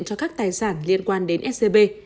cho các tài sản liên quan đến scb